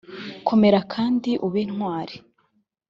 komera kandi ube intwari,